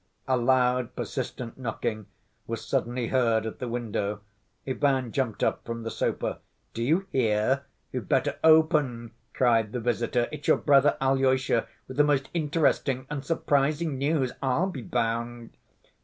A loud, persistent knocking was suddenly heard at the window. Ivan jumped up from the sofa. "Do you hear? You'd better open," cried the visitor; "it's your brother Alyosha with the most interesting and surprising news, I'll be bound!"